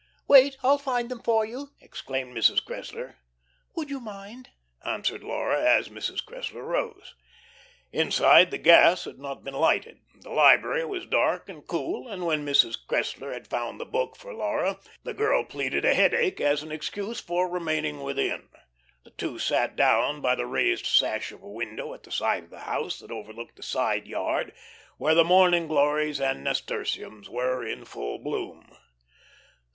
"Wait. I'll find them for you," exclaimed Mrs. Cressler. "Would you mind?" answered Laura, as Mrs. Cressler rose. Inside, the gas had not been lighted. The library was dark and cool, and when Mrs. Cressler had found the book for Laura the girl pleaded a headache as an excuse for remaining within. The two sat down by the raised sash of a window at the side of the house, that overlooked the "side yard," where the morning glories and nasturtiums were in full bloom.